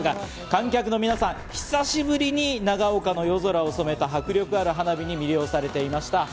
観客の皆さん、久しぶりに長岡の夜空を染めた迫力ある花火に魅了されていました。